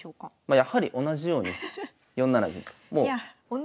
やはり同じように４七銀と。